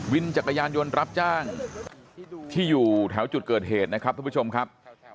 จักรยานยนต์รับจ้างที่อยู่แถวจุดเกิดเหตุนะครับทุกผู้ชมครับ